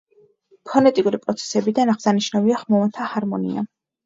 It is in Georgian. ფონეტიკური პროცესებიდან აღსანიშნავია ხმოვანთა ჰარმონია.